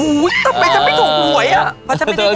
นี่ไงโอ้โหทำไมฉันไม่ถูกหวยอะเพราะฉันไม่ได้แทน